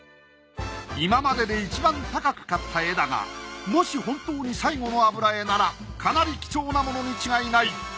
今まででいちばん高く買った絵だがもし本当に最後の油絵ならかなり貴重なものに違いない。